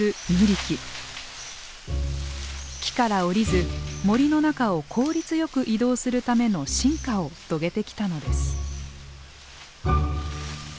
木から下りず森の中を効率よく移動するための進化を遂げてきたのです。